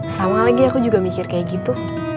sama lagi aku juga mikir kayak gitu